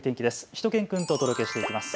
しゅと犬くんとお届けしていきます。